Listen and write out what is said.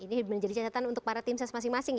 ini menjadi catatan untuk para tim ses masing masing